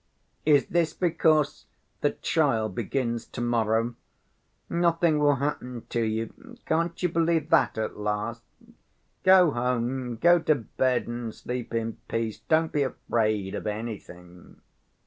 "Is this because the trial begins to‐ morrow? Nothing will happen to you; can't you believe that at last? Go home, go to bed and sleep in peace, don't be afraid of anything."